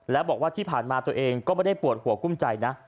แล้วบอกว่าที่ผ่านมาตัวเองก็ไม่ได้ปวดหัวกุ้มใจนะ